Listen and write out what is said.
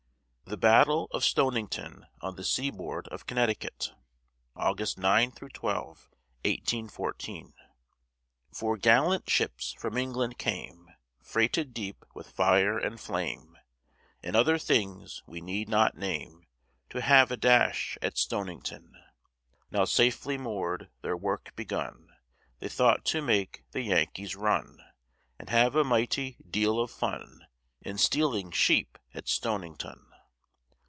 THE BATTLE OF STONINGTON ON THE SEABOARD OF CONNECTICUT [August 9 12, 1814] Four gallant ships from England came Freighted deep with fire and flame, And other things we need not name, To have a dash at Stonington. Now safely moor'd, their work begun; They thought to make the Yankees run, And have a mighty deal of fun In stealing sheep at Stonington.